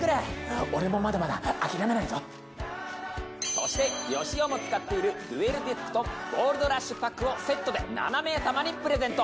そしてよしおも使っているデュエルディスクとゴールドラッシュパックをセットで７名様にプレゼント。